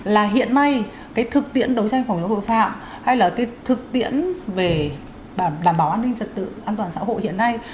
là hiện nay cái thực tiễn đấu tranh phòng chống tội phạm hay là cái thực tiễn về đảm bảo an ninh trật tự an toàn xã hội hiện nay